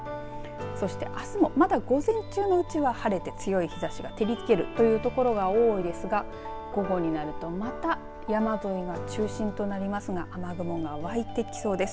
そしてあすもまた午前中のうちは晴れて強い日ざしが照りつけるというところが多いですが午後になると、また山沿いが中心となりますが雨雲がわいてきそうです。